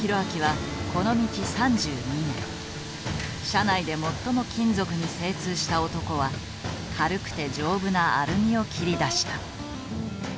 社内で最も金属に精通した男は軽くて丈夫なアルミを切り出した。